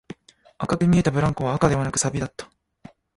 赤く見えたブランコは赤ではなく、錆だった